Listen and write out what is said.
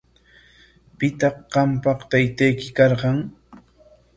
¿Pitaq qampa taytayki karqan?